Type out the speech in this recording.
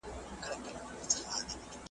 په انارګل کي چي د سرومیو پیالې وي وني .